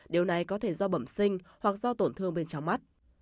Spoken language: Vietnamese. điều này có thể do bẩm sinh hoặc do tổn thương bên trong mắt